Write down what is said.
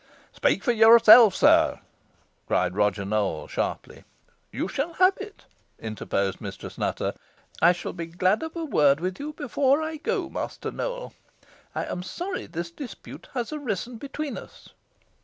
"Speak for yourself, sir," cried Roger Nowell, sharply. "You shall have it," interposed Mistress Nutter. "I shall be glad of a word with you before I go, Master Nowell. I am sorry this dispute has arisen between us."